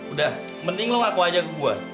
udah mending lo ngaku aja ke gue